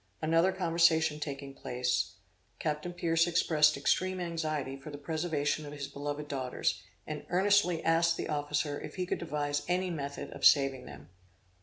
Another conversation taking place, Captain Pierce expressed extreme anxiety for the preservation of his beloved daughters, and earnestly asked the officer if he could devise any method of saving them.